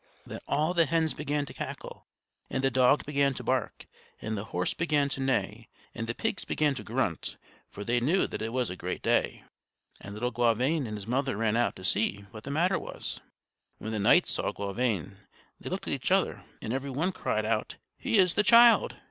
Then all the hens began to cackle, and the dog began to bark, and the horse began to neigh, and the pigs began to grunt; for they knew that it was a great day. And little Gauvain and his mother ran out to see what the matter was. When the knights saw Gauvain they looked at each other, and every one cried out: "He is the child!"